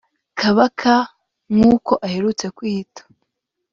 Kabaka (nk’uko aherutse kwiyita)